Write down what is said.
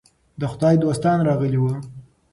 د خدای دوستان راغلي وو.